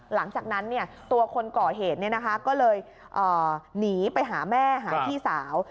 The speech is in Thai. หลังจากนั้นเนี่ยตัวคนก่อเหตุเนี่ยนะคะก็เลยหนีไปหาแม่หาพี่สาว